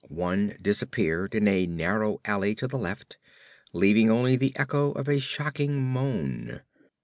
One disappeared in a narrow alley to the left, leaving only the echo of a shocking moan.